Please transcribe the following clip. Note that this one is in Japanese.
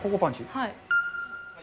はい。